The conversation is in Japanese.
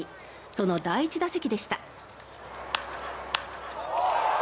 その第１打席でした。